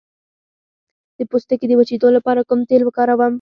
د پوستکي د وچیدو لپاره کوم تېل وکاروم؟